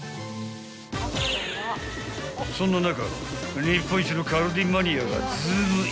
［そんな中］